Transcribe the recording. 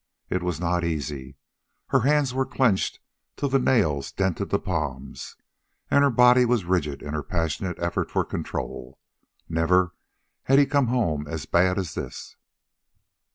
It was not easy. Her hands were clenched till the nails dented the palms, and her body was rigid in her passionate effort for control. Never had he come home as bad as this.